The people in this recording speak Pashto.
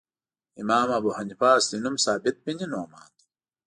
د امام ابو حنیفه اصلی نوم ثابت بن نعمان دی .